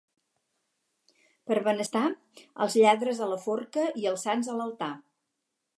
Per benestar, els lladres a la forca i els sants a l'altar.